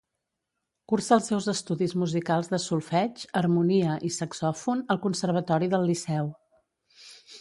Cursa els seus estudis musicals de solfeig, harmonia i saxòfon al Conservatori del Liceu.